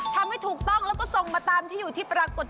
ทำให้ถูกต้องแล้วก็ส่งมาตามที่อยู่ที่ปรากฏ